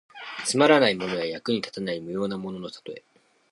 つまらないものや、役に立たない無用なもののたとえ。